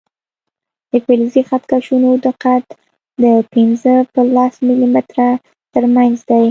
د فلزي خط کشونو دقت د پنځه په لس ملي متره تر منځ دی.